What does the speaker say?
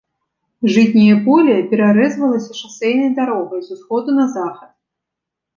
Жытняе поле перарэзвалася шасэйнай дарогай з усходу на захад.